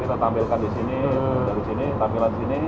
kita tampilkan di sini